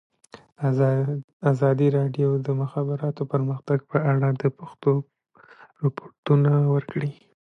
ازادي راډیو د د مخابراتو پرمختګ په اړه د پېښو رپوټونه ورکړي.